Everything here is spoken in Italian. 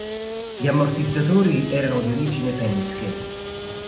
Gli ammortizzatori erano di origine Penske.